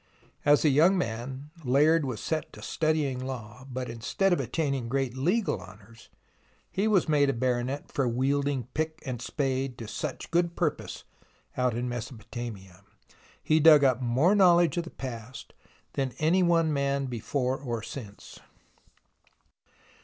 As a young man, Layard was set to studying law, but instead of attaining great legal honours, he was made a baronet for wielding pick and spade to such good purpose out in Mesopotamia, that he dug up more knowledge of the past than any one man before or since.